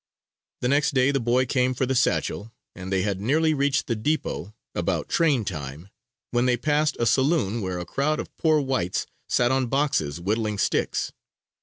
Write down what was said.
The next day the boy came for the satchel, and they had nearly reached the depot about train time, when they passed a saloon where a crowd of poor whites sat on boxes whittling sticks.